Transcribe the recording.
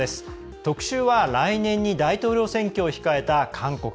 特集の内容は来年に大統領選挙を控えた韓国。